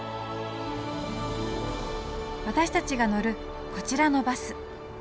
私たちが乗るこちらのバス。